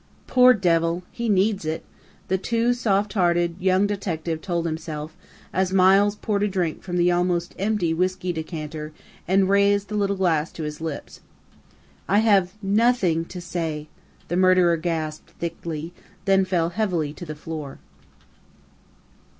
"Poor devil! He needs it," the too soft hearted young detective told himself, as Miles poured a drink from the almost empty whiskey decanter and raised the little glass to his lips. "I have nothing to say!" the murderer gasped thickly, then fell heavily to the floor.